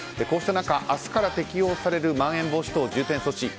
こうした中、明日から適用されるまん延防止等重点措置。